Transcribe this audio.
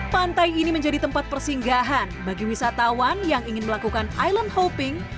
pantai ini menjadi tempat persinggahan bagi wisatawan yang ingin melakukan island hopping